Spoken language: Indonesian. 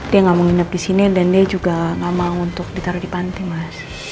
dia gak mau tidur di sini dan dia juga gak mau untuk ditaruh di panti mas